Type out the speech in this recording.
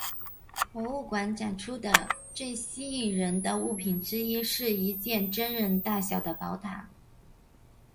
博物馆展出的最吸引人的物品之一是一件真人大小的宝塔。